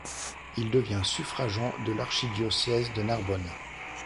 Il devient suffragant de l'archidiocèse de Narbonne.